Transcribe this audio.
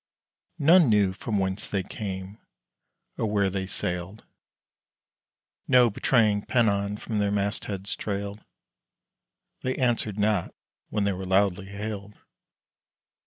None knew from whence they came, or where they sailed; No betraying pennon from their mastheads trailed; They answered not when they were loudly hailed.